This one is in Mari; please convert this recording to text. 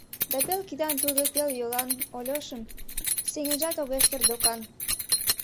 Да пел кидан тудо, пел йолан Ольошым сеҥенжат огеш керт докан...